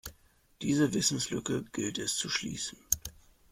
Diese Wissenslücke gilt es zu schließen.